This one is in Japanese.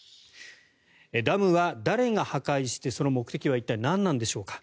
ダムは誰が破壊してその目的は一体、何なんでしょうか。